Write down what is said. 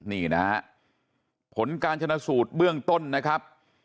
นี่นะฮะผลการชนะสูตรเบื้องต้นนะครับ